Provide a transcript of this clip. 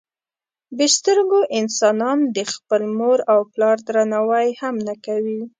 بې سترګو انسانان د خپل مور او پلار درناوی هم نه کوي.